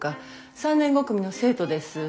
３年５組の生徒です。